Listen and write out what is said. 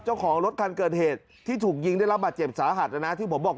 เจ้าของรถคันเกิดเหตุที่ถูกยิงได้รับบาดเจ็บสาหัสนะนะที่ผมบอก